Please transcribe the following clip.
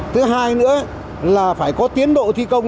thứ hai nữa là phải có tiến độ thi công